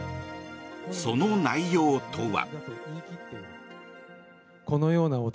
その内容とは。